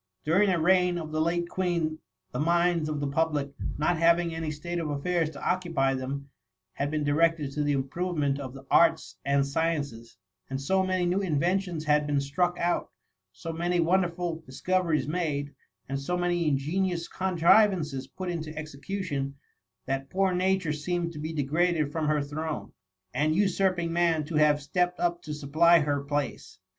During the reign of the late Queen, the minds of the pub lic not having any state affairs to occupy them, had been directed to the improvement of the arts and sciences ; and so many new inventions had been struck out, so many wonderful dis coveries made, and so many ingenious contri vances put into execution, that poor Nature seemed to be degraded from her throne, and usurping man to have stepped up to supply her place.